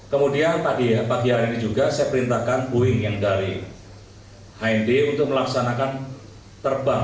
kemudian tadi pagi hari ini juga saya perintahkan boeing yang dari hnb untuk melaksanakan terbang